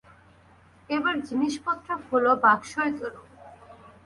এবার জিনিসপত্রগুলো বাক্সয় তোলো।